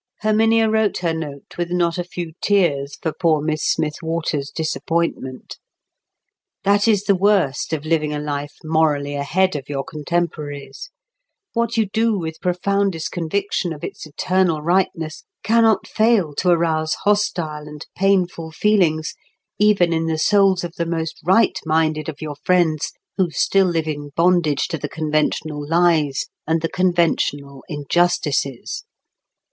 Herminia wrote her note with not a few tears for poor Miss Smith Waters's disappointment. That is the worst of living a life morally ahead of your contemporaries; what you do with profoundest conviction of its eternal rightness cannot fail to arouse hostile and painful feelings even in the souls of the most right minded of your friends who still live in bondage to the conventional lies and the conventional injustices.